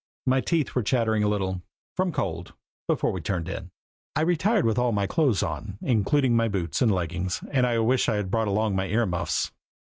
My teeth were chattering a little from cold before we turned in. I retired with all my clothes on, including my boots and leggings, and I wished I had brought along my ear muffs.